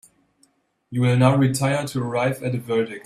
You will now retire to arrive at a verdict.